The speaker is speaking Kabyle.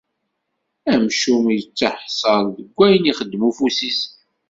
Amcum ittaḥṣal deg wayen ixeddem ufus-is.